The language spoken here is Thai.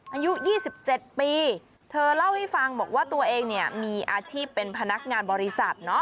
อายุ๒๗ปีเธอเล่าให้ฟังบอกว่าตัวเองเนี่ยมีอาชีพเป็นพนักงานบริษัท